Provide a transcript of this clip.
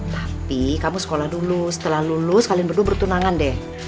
tapi kamu sekolah dulu setelah lulus kalian berdua bertunangan deh